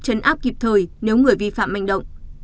chấn áp kịp thời nếu người vi phạm manh động